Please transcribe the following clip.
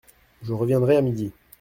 Je reviendrai à midi !